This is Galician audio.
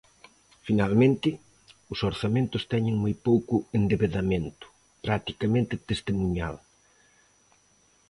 Finalmente, os orzamentos teñen moi pouco endebedamento, practicamente testemuñal.